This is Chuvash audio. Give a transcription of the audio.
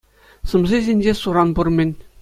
Сӑмси ҫинче суран пур-мӗн.